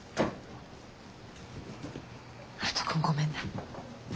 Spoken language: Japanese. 悠人君ごめんな。